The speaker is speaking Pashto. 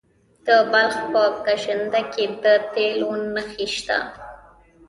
د بلخ په کشنده کې د تیلو نښې شته.